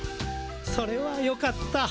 それはよかった。